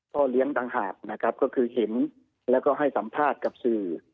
เลี้ยงต่างหากนะครับก็คือเห็นแล้วก็ให้สัมภาษณ์กับสื่อ